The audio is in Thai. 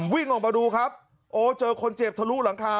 วิ่งออกมาดูครับโอ้เจอคนเจ็บทะลุหลังคา